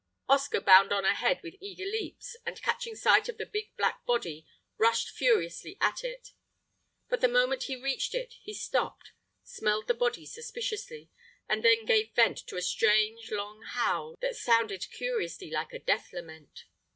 Oscar bounded on ahead with eager leaps, and catching sight of the big black body, rushed furiously at it. But the moment he reached it he stopped, smelled the body suspiciously, and then gave vent to a strange, long howl that sounded curiously like a death lament.